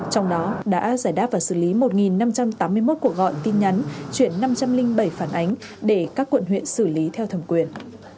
trong đó đã giải đáp và xử lý một năm trăm tám mươi một cuộc gọi tin nhắn chuyển năm trăm linh bảy phản ánh để các quận huyện xử lý theo thẩm quyền